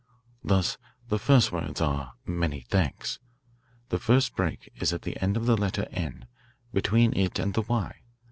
"Thus the first words are 'Many thanks.' The first break is at the end of the letter 'n,' between it and the 'y.'